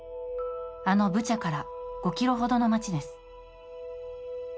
あのブチャから５ｋｍほどの町です。